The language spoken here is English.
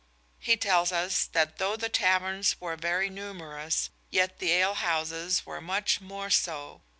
He tells us that though the taverns were very numerous yet the ale houses were much more so.